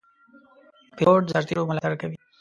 پیلوټ د سرتېرو ملاتړ کوي.